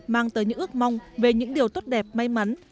mang tới những ước mong về những điều tốt đẹp may mắn